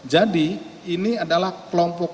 jadi ini adalah kelompoknya